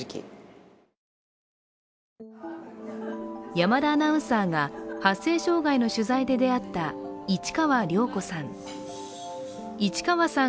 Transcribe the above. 山田アナウンサーが、発声障害の取材で出会った、市川涼子さん。